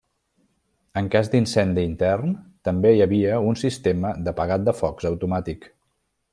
En cas d'incendi intern, també hi havia un sistema d'apagat de focs automàtic.